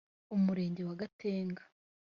Umurenge wa Gatenga